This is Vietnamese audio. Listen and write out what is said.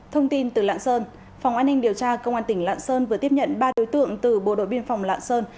thông tin từ lạng sơn phòng an ninh điều tra công an tỉnh lạng sơn vừa tiếp nhận ba đối tượng từ bộ đội biên phòng lạng sơn